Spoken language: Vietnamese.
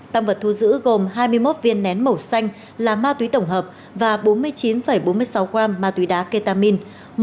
tăng vật thu giữ gồm hai mươi một viên nén màu xanh là ma túy tổng hợp và bốn mươi chín bốn mươi sáu gram ma túy đá ketamin